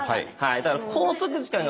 「だから」